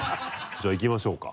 じゃあいきましょうか。